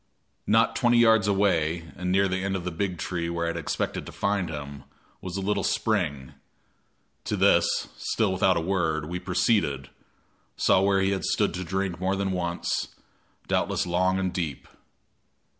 Not twenty yards away, and near the end of the big tree where I had expected to find him, was a little spring. To this, still without a word, we proceeded, saw where he had stood to drink more than once, doubtless long and deep.